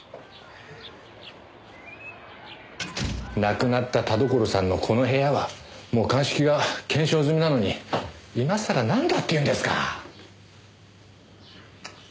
亡くなった田所さんのこの部屋はもう鑑識が検証済みなのに今さらなんだっていうんですか。